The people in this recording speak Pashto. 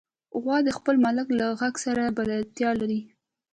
غوا د خپل مالک له غږ سره بلدتیا لري.